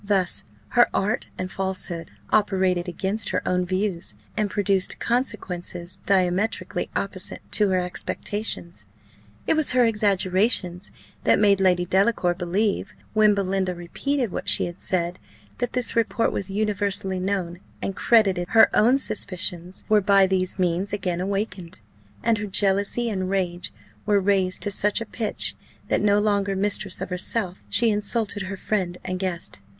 Thus her art and falsehood operated against her own views, and produced consequences diametrically opposite to her expectations. It was her exaggerations that made Lady Delacour believe, when Belinda repeated what she had said, that this report was universally known and credited; her own suspicions were by these means again awakened, and her jealousy and rage were raised to such a pitch, that, no longer mistress of herself, she insulted her friend and guest.